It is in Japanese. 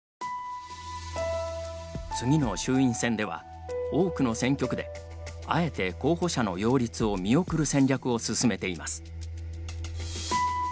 次の衆院選では多くの選挙区であえて候補者の擁立を見送る戦略を進めています。